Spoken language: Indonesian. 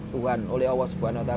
tuhan oleh allah swt